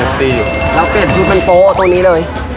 แล้วเปลี่ยนชุดเป็นโป๊ะตรงนี้เลย